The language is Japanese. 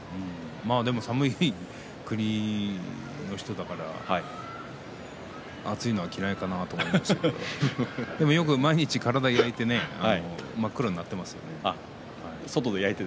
寒い国の人だから暑いのは嫌いかなと思ったんですけれど毎日体を焼いて真っ黒になっていますけれども。